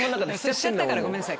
しちゃったからごめんなさい。